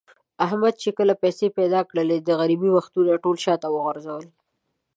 احمد چې کله پیسې پیدا کړلې، د غریبۍ وختونه یې ټول شاته و غورځول.